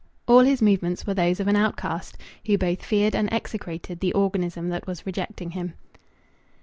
All his movements were those of an outcast who both feared and execrated the organism that was rejecting him.